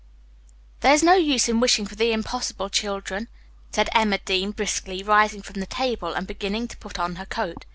"There is no use in wishing for the impossible, children," said Emma Dean briskly, rising from the table and beginning to put on her coat.